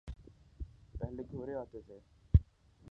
پہلے گورے آتے تھے۔